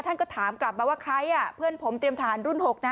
ท่านก็ถามกลับมาว่าใครอ่ะเพื่อนผมเตรียมทหารรุ่น๖นะ